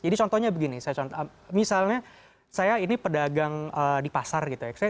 jadi contohnya begini misalnya saya ini pedagang di pasar gitu ya